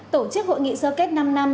tổ chức hội nghị sơ kết năm năm